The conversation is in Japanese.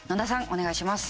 お願いします。